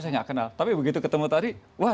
saya nggak kenal tapi begitu ketemu tadi wah